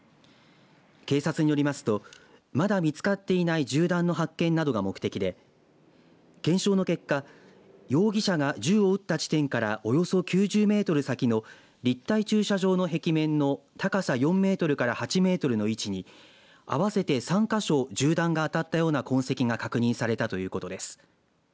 警察によりますとまだ見つかっていない銃弾の発見などが目的で検証の結果容疑者が銃を撃った地点からおよそ９０メートル先の立体駐車場の壁面の高さ４メートルから８メートルの位置に合わせて３か所、銃弾が当たったような痕跡が確認されたということです。